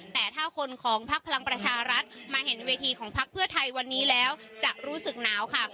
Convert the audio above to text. แต่ถ้าคนของพักพลังประชารัฐมาเห็นเวทีของพักเพื่อไทยวันนี้แล้วจะรู้สึกหนาวค่ะ